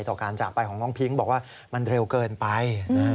ต่อการจากไปของน้องพิ้งบอกว่ามันเร็วเกินไป